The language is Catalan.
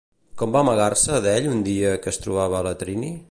Com va amagar-se d'ell un dia que es trobava a Letrini?